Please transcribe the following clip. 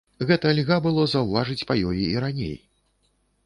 Гэта льга было заўважыць па ёй і раней.